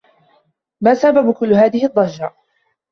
ما سبب كلّ هذه الضّجّة؟